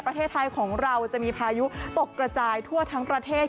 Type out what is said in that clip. ประเทศไทยของเราจะมีพายุตกกระจายทั่วทั้งประเทศ